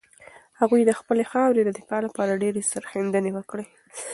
هغوی د خپلې خاورې د دفاع لپاره ډېرې سرښندنې وکړې.